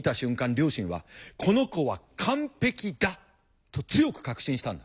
両親は「この子は完璧だ」と強く確信したんだ。